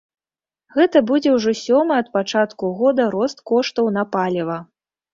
Гэта будзе ўжо сёмы ад пачатку года рост коштаў на паліва.